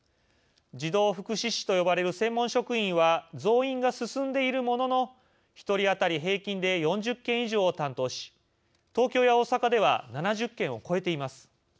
児童福祉司と呼ばれる専門職員は増員が進んでいるものの１人当たり平均で４０件以上を担当し東京や大阪では７０件を超えています。